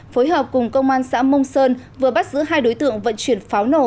phối hợp cùng công an xã mông sơn vừa bắt giữ hai đối tượng vận chuyển pháo nổ